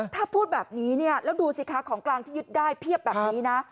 ถ้าพูดแบบนี้เนี่ยแล้วดูสิคะของกลางที่ยึดได้เพียบแบบนี้นะ